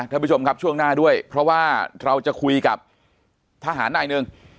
ท่านผู้ชมครับช่วงหน้าด้วยเพราะว่าเราจะคุยกับทหารนายหนึ่ง